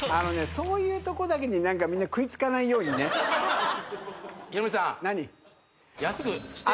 そういうとこだけに何かみんな食いつかないようにね何？